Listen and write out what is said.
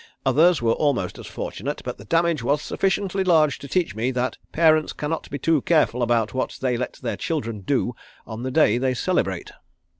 Others were almost as fortunate, but the damage was sufficiently large to teach me that parents cannot be too careful about what they let their children do on the day they celebrate."